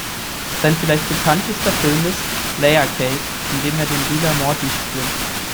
Sein vielleicht bekanntester Film ist "Layer Cake", in dem er den Dealer Morty spielt.